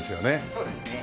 そうですね。